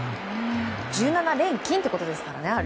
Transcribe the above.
１７連勤ということですからね。